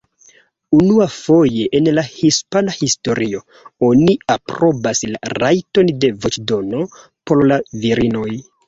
Unuafoje en la hispana historio, oni aprobas la rajton de voĉdono por la virinoj.